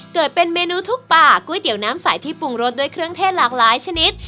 เกิดเป็นเมนูทุกป่าก๋วยเตี๋ยวน้ำใสที่ปรุงรสด้วยเครื่องเทศหลากหลายชนิด